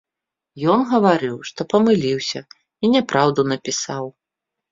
Ён гаварыў, што памыліўся і няпраўду напісаў.